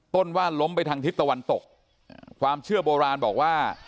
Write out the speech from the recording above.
ต้นว่าล้มไปทางทิศตะวันตกความเชื่อโบราณบอกว่า